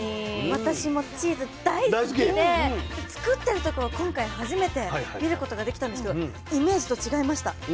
私もチーズ大好きで作ってるところ今回初めて見ることができたんですけどイメージと違いました。